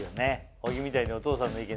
小木みたいにお父さんの意見